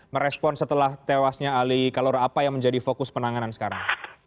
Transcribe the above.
merespon setelah tewasnya ali kalora apa yang menjadi fokus penanganan sekarang